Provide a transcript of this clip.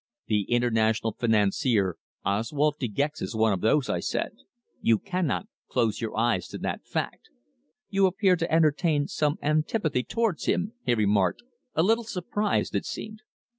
"The international financier Oswald De Gex is one of those," I said. "You cannot close your eyes to that fact!" "You appear to entertain some antipathy towards him," he remarked, a little surprised it seemed.